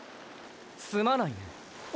すまないね。